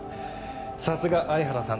さすが相原さん